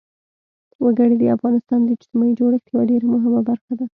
وګړي د افغانستان د اجتماعي جوړښت یوه ډېره مهمه برخه ده.